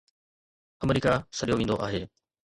آمريڪا سڏيو ويندو آهي